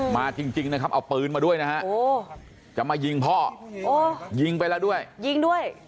มาจริงนะครับเอาปืนมาด้วยนะฮะจะมายิงพ่อยิงไปแล้วด้วยยิงด้วย